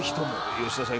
吉田さん